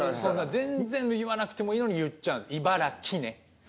全然言わなくてもいいのに言っちゃう。